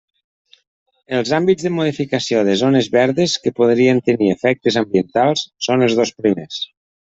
Els àmbits de modificació de zones verdes que podrien tenir efectes ambientals són els dos primers.